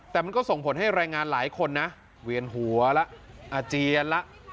แต่มันก็ส่งผลให้แรงงานหลายคนนะเวียนหัวแล้วอาเจียนแล้ว